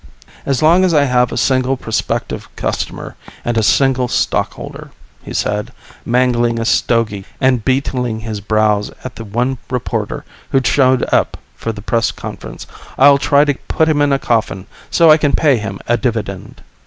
"As long as I have a single prospective customer, and a single Stockholder," he said, mangling a stogie and beetling his brows at the one reporter who'd showed up for the press conference, "I'll try to put him in a coffin so I can pay him a dividend."